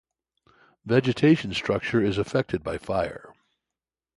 Vegetation structure is affected by fire.